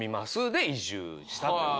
で移住したという。